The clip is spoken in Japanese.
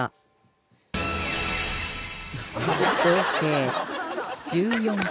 合計１４点